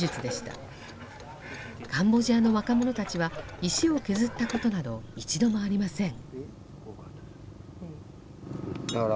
カンボジアの若者たちは石を削ったことなど一度もありません。